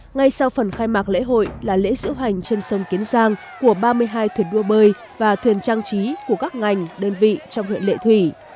ngay sau phần khai mạc lễ hội là lễ diễu hành trên sông kiến giang của ba mươi hai thuyền đua bơi và thuyền trang trí của các ngành đơn vị trong huyện lệ thủy